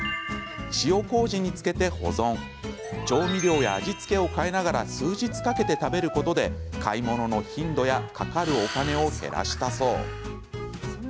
調理法や味付けを変えながら数日かけて食べることで買い物の頻度やかかるお金を減らしたそう。